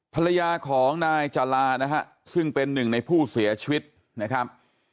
ภรรยาของนายจารานะฮะซึ่งเป็นหนึ่งในผู้เสียชีวิตนะครับ